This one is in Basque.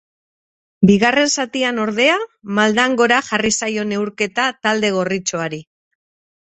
Bigarren zatian, ordea, maldan gora jarri zaio neurketa talde gorritxoari.